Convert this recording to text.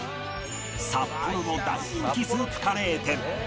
札幌の大人気スープカレー店